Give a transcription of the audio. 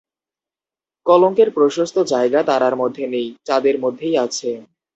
কলঙ্কের প্রশস্ত জায়গা তারার মধ্যে নেই, চাঁদের মধ্যেই আছে।